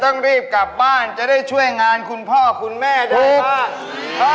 ฉันดันฟ้าครับไอ้หนูอยู่ชั้นไหนล่ะ